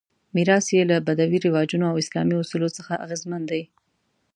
میراث یې له بدوي رواجونو او اسلامي اصولو څخه اغېزمن دی.